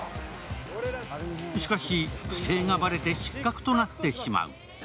しかし不正がバレて失格となってしまう。